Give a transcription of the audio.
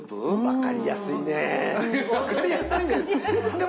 分かりやすいねって。